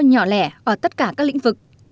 nhỏ lẻ ở tất cả các lĩnh vực